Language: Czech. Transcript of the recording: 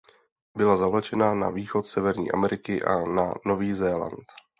Byla zavlečena na východ Severní Ameriky a na Nový Zéland.